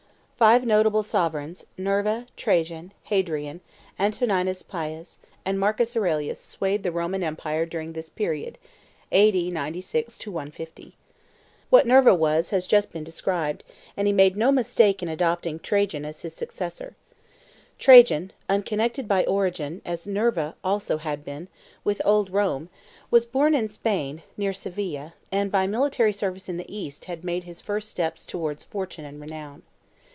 Five notable sovereigns, Nerva, Trajan, Hadrian, Antoninus Pius, and Marcus Aurelius swayed the Roman empire during this period (A.D. 96 150). What Nerva was has just been described; and he made no mistake in adopting Trajan as his successor. Trajan, unconnected by origin, as Nerva also had been, with old Rome, was born in Spain, near Seville, and by military service in the East had made his first steps towards fortune and renown.